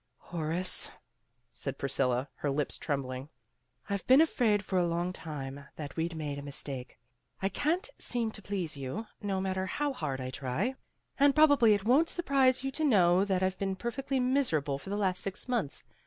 "Horace," said Priscilla, her lips trembling, "I've been afraid for a long time that we'd made a mistake. I can't seem to please you, no matter how hard I try, and probably it won 't surprise you to know that I've been perfectly miserable for the last six months.